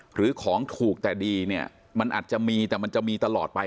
หรือของถูกแต่ดีเนี่ยมันอาจจะมีแต่มันจะมีตลอดไป